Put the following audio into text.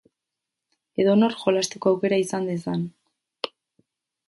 edonork jolasteko aukera izan dezan